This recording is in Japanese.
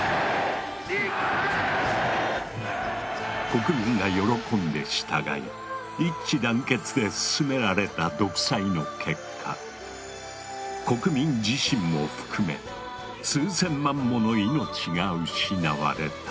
国民が喜んで従い一致団結で進められた独裁の結果国民自身も含め数千万もの命が失われた。